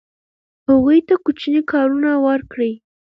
هغوی ته کوچني کارونه ورکړئ.